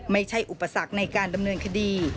ไม่ใช่อุปสรรคในการดำเนินคดี